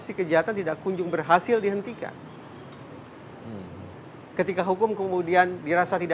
makanya canvas nya benar benar banyak tempat policie di sini